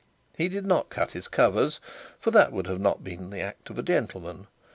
He did not cut his covers, for that would not have been the act of a gentleman.